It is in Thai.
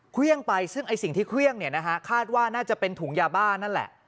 เครื่องไปซึ่งสิ่งที่เครื่องคาดว่าน่าจะเป็นถุงยาบ้านนั่นแหละ